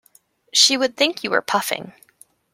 She would think you were puffing.